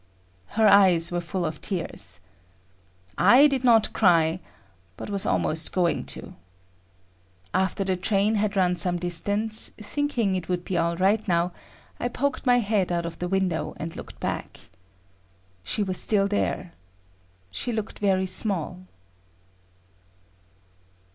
Her eyes were full of tears. I did not cry, but was almost going to. After the train had run some distance, thinking it would be all right now, I poked my head out of the window and looked back. She was still there. She looked very small.